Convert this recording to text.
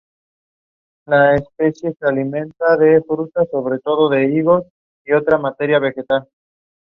The lab has proceeded to characterize the regulation and function of the biofilm.